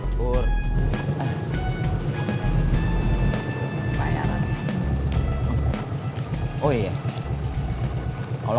lu juga kebayangnya kanilah